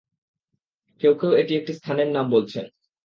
কেউ কেউ এটি একটি স্থানের নাম বলেছেন।